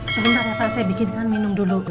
sebentar ya pak saya bikin kan minum dulu